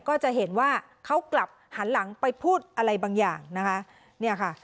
ก็จะเห็นว่าเขากลับหันหลังไปพูดอะไรบางอย่างนะคะเนี่ยค่ะ